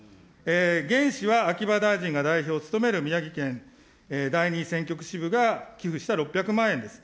原資は秋葉大臣が代表を務める宮城県第２選挙区支部が寄付した６００万円です。